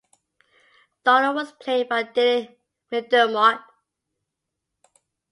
Donnell was played by Dylan McDermott.